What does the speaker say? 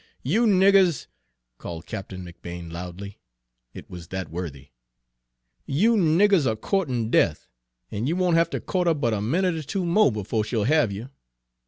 "You niggers," called Captain McBane loudly, it was that worthy, "you niggers are courtin' death, an' you won't have to court her but a minute er two mo' befo' she'll have you.